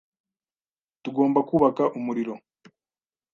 Tugomba kubaka umuriro.